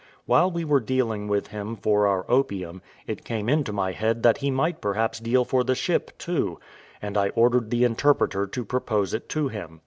While we were dealing with him for our opium, it came into my head that he might perhaps deal for the ship too, and I ordered the interpreter to propose it to him.